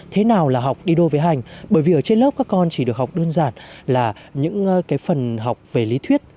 thế nào là học đi đô về hành bởi vì ở trên lớp các con chỉ được học đơn giản là những phần học về lý thuyết